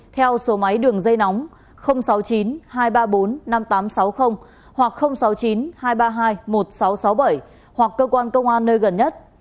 theo số máy đường dây nóng sáu mươi chín hai trăm ba mươi bốn năm nghìn tám trăm sáu mươi hoặc sáu mươi chín hai trăm ba mươi hai một nghìn sáu trăm sáu mươi bảy hoặc cơ quan công an nơi gần nhất